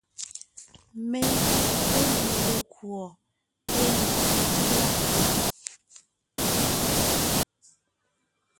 Mentúʼ péli lekùɔ ée nkÿo tʉ̂a.